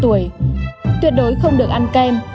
tại các cơ sở sản xuất kem